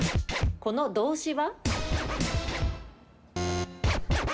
この動詞は？